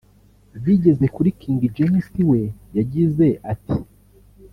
Bigeze kuri King James we yagize ati